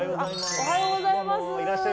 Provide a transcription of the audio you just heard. おはようございます。